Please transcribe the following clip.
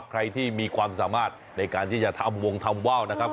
ใครที่มีความสามารถในการที่จะทำวงทำว่าวนะครับ